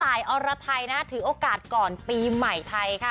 อรไทยนะถือโอกาสก่อนปีใหม่ไทยค่ะ